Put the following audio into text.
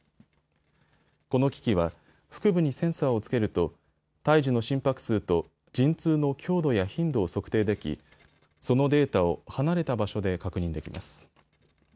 この機器は腹部にセンサーをつけると胎児の心拍数と陣痛の強度や頻度を測定できそのデータを離れた場所で確認できます。